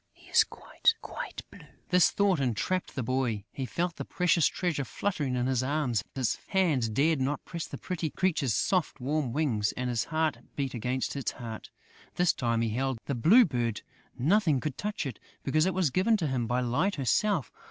He is quite, quite blue!" This thought enraptured the boy. He felt the precious treasure fluttering in his arms; his hands dared not press the pretty creature's soft, warm wings; and his heart beat against its heart. This time, he held the Blue Bird! Nothing could touch it, because it was given to him by Light herself.